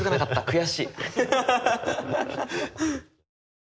悔しい。